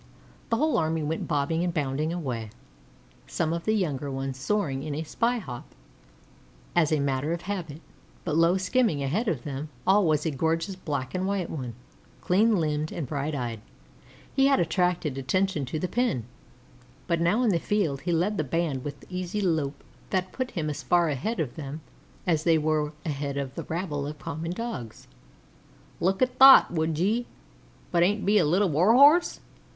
The whole army went bobbing and bounding away, some of the younger ones soaring in a spy hop, as a matter of habit; but low skimming ahead of them all was a gorgeous black and white one; clean limbed and bright eyed, he had attracted attention in the pen, but now in the field he led the band with easy lope that put him as far ahead of them all as they were ahead of the rabble of common Dogs. "Luk at thot, would ye but ain't he a Little Warhorse?"